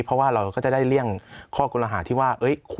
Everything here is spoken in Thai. เพราะว่าเราก็จะได้เลี่ยงข้อกลหาที่ว่า